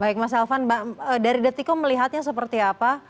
baik mas alvan dari detikku melihatnya seperti apa